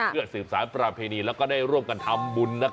เพื่อสืบสารประเพณีแล้วก็ได้ร่วมกันทำบุญ